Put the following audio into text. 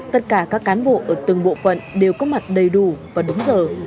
tất cả các cán bộ ở từng bộ phận đều có mặt đầy đủ và đúng giờ